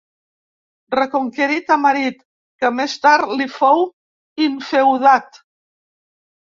Reconquerí Tamarit, que més tard li fou infeudat.